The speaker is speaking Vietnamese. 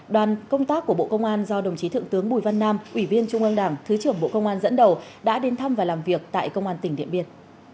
đoàn công tác của bộ công an do đồng chí thượng tướng bùi văn nam ủy viên trung an đảng thứ trưởng bộ công an dẫn đầu đã đến thăm và làm việc tại công an tỉnh điện biên